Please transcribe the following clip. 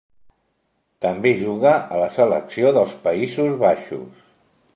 També juga a la selecció dels Països Baixos.